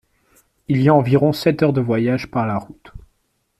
Il y a environ sept heures de voyage par la route.